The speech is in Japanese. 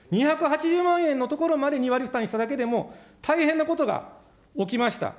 ２８０万円のところまで２割負担にしただけでも、大変なことが起きました。